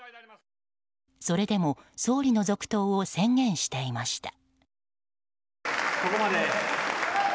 それでも、総理の続投を宣言していました。